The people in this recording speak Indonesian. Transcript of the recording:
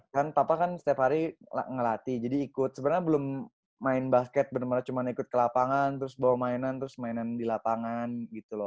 kan papa kan setiap hari ngelatih jadi ikut sebenarnya belum main basket bener bener cuma ikut ke lapangan terus bawa mainan terus mainan di lapangan gitu loh